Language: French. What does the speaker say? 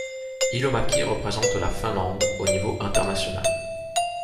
Ilomäki représente la Finlande au niveau international.